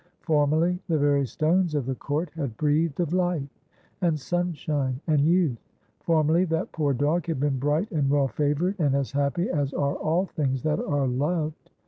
Formerly the very stones of the court had breathed of life, and sunshine, and youth; formerly that poor dog had been bright and well favoured, and as happy as are all things that are loved.